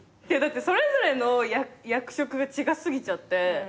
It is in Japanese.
それぞれの役職が違すぎちゃって。